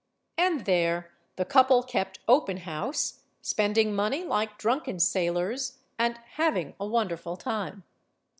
And there the couple kept open house, spending money like drunken sailors, and hav ing a wonderful time.